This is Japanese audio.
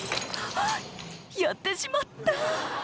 「やってしまった」